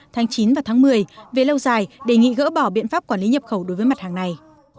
tháng chín và tháng một mươi về lâu dài đề nghị gỡ bỏ biện pháp quản lý nhập khẩu đối với mặt hàng này